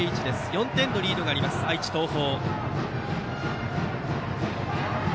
４点のリードがある愛知・東邦。